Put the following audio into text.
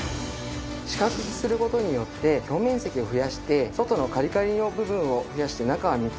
四角くする事によって表面積を増やして外のカリカリの部分を増やして中はみっちりとさせるためです。